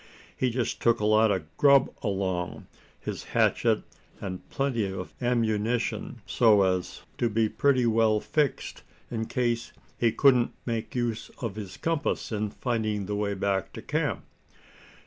He just took a lot of grub along, his hatchet, and plenty of ammunition, so as to be pretty well fixed in case he couldn't make use of his compass in finding the way back to camp."